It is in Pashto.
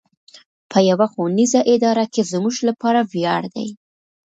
په يوه ښوونيزه اداره کې زموږ لپاره وياړ دی.